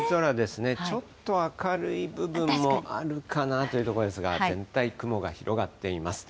ちょっと明るい部分もあるかなというところですが、全体、雲が広がっています。